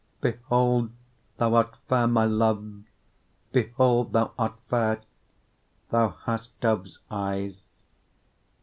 1:15 Behold, thou art fair, my love; behold, thou art fair; thou hast doves' eyes.